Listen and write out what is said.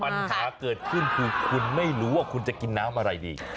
ปัญหาเกิดขึ้นคือคุณไม่รู้ว่าคุณจะกินน้ำอะไรดี